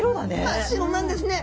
真っ白なんですね。